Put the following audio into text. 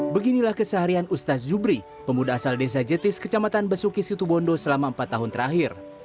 beginilah keseharian ustaz jubri pemuda asal desa jetis kecamatan besuki situbondo selama empat tahun terakhir